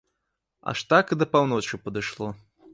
Аж так і да паўночы падышло.